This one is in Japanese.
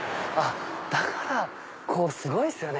だからすごいですよね。